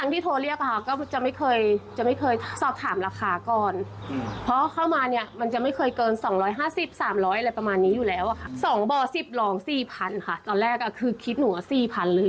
ตอนแรกคือคิดหนูว่า๔๐๐๐เลย